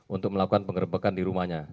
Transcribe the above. untuk melakukan pengerebekan di rumahnya